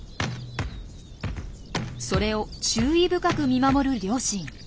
それを注意深く見守る両親。